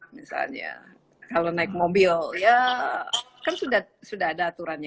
misalnya kalau naik mobil ya kan sudah ada aturannya